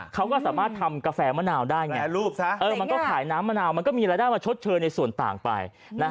เขาก็สามารถทำกาแฟมะนาวได้ไงมันก็ขายน้ำมะนาวมันก็มีรายได้มาชดเชยในส่วนต่างไป